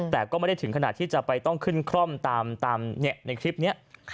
แต่ก็ไม่ได้ถึงขนาดที่จะไปต้องขึ้นคร่อมตามในคลิปนี้